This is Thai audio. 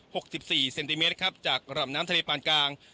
สิบสี่เซนติเมตรครับจากลำน้ำทะเลปานกลาง